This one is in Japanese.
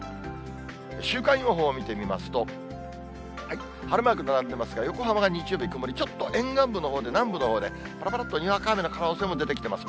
週間予報を見てみますと、晴れマーク並んでますが、横浜が日曜日曇り、ちょっと沿岸部のほうで、南部のほうで、ぱらぱらっとにわか雨の可能性が出てきています。